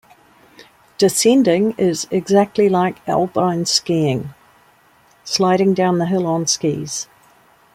Descending is exactly like alpine skiing: sliding down the hill on skis.